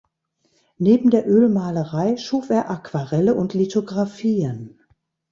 Neben der Ölmalerei schuf er Aquarelle und Lithografien.